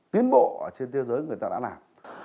tiến bộ trên thế giới người ta đã làm